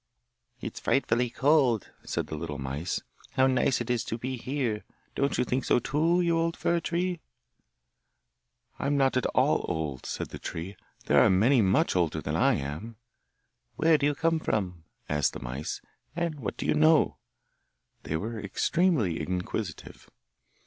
'It's frightfully cold,' said the little mice. 'How nice it is to be here! Don't you think so too, you old fir tree?' 'I'm not at all old,' said the tree; 'there are many much older than I am.' 'Where do you come from?' asked the mice, 'and what do you know?' They were extremely inquisitive.